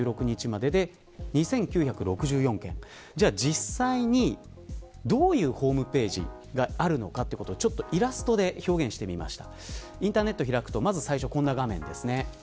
実際にどういうホームページがあるのかということでイラストで表現してみました。